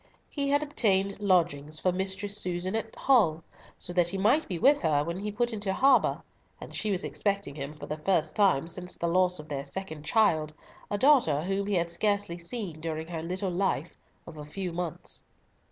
He had obtained lodgings for Mistress Susan at Hull, so that he might be with her when he put into harbour, and she was expecting him for the first time since the loss of their second child, a daughter whom he had scarcely seen during her little life of a few months.